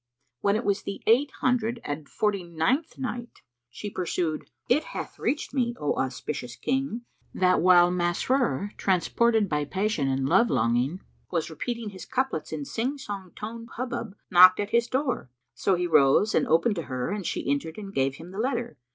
When it was the Eight Hundred and Forty ninth Night, She pursued, It hath reached me, O auspicious King, that while Masrur, transported by passion and love longing, was repeating his couplets in sing song tone Hubub knocked at his door; so he rose and opened to her, and she entered and gave him the letter.